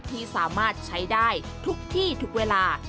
ที่สามารถใช้ได้ทุกที่ทุกเวลา